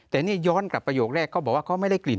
แต่นี่ย้อนกลับประโยคแรกเขาบอกว่าเขาไม่ได้กลิ่น